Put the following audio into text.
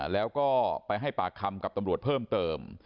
แล้วก็ไปให้ปากคำกับตำรวจเพิ่มเติม